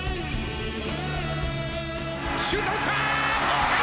シュート打った！